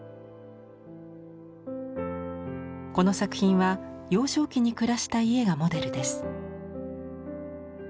この作品は幼少期に暮らした家がモデルです。